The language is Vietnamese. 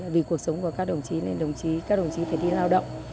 vì cuộc sống của các đồng chí nên các đồng chí phải đi lao động